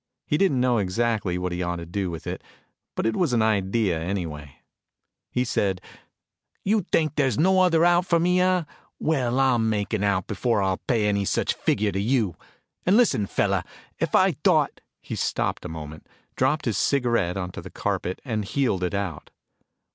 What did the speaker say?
He didn't know exactly what he ought to do with it, but it was an idea, anyway. He said, "You think there's no other out for me, huh? Well, I'll make an out before I'll pay any such figure to you. And listen, fellah, if I thought " He stopped a moment, dropped his cigarette onto the carpet and heeled it out.